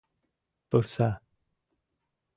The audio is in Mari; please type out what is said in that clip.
ПУРСА